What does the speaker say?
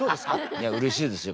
いやうれしいですよ